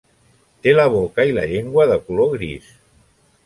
Té la boca i la llengua de color gris.